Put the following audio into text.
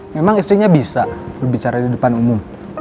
memang istrinya bisa berbicara di depan umum